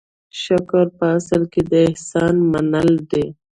شکر په اصل کې د احسان منل دي.